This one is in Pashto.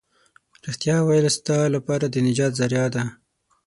رښتيا ويل ستا لپاره د نجات ذريعه ده.